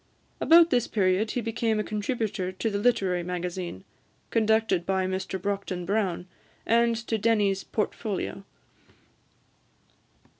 About this period he became a contributor to the "Literary Magazine," conducted by Mr Brockden Brown, and to Denny's "Portfolio."